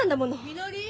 ・みのり